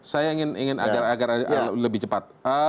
saya ingin agar lebih cepat